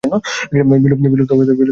বিলুপ্ত বা বিলুপ্তপ্রায় ফসলাদি আউশ ধান।